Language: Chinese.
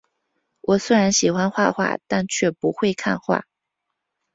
我虽然喜欢画画，但却不会看画